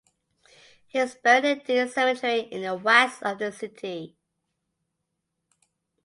He is buried in Dean Cemetery in the west of the city.